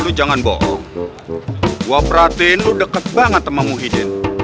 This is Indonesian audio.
lo jangan bohong gue perhatiin lo deket banget sama muhyiddin